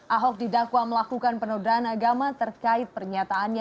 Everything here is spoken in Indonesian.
ahok didakwa melakukan penodaan agama terkait pernyataannya